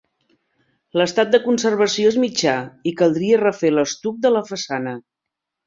L'estat de conservació és mitjà i caldria refer l'estuc de la façana.